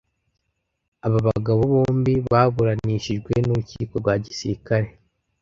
Aba bagabo bombi baburanishijwe n’urukiko rwa gisirikare.